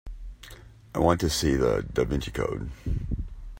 I want to see The Da Vinci Code